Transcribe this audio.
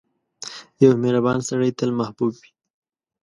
• یو مهربان سړی تل محبوب وي.